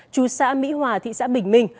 chú xã mỹ hòa thị xã bình minh